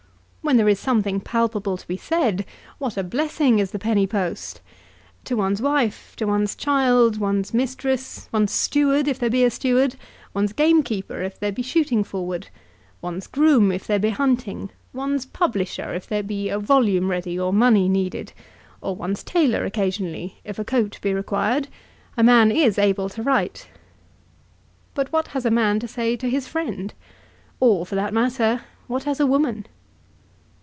When there is something palpable to be said, what a blessing is the penny post! To one's wife, to one's child, one's mistress, one's steward if there be a steward; one's gamekeeper, if there be shooting forward; one's groom, if there be hunting; one's publisher, if there be a volume ready or money needed; or one's tailor occasionally, if a coat be required, a man is able to write. But what has a man to say to his friend, or, for that matter, what has a woman?